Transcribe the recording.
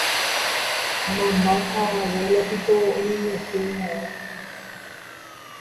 Mama ha abuela piko oñeñotỹ moõ